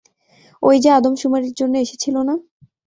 ঐযে আদমশুমারির জন্য এসেছিল না?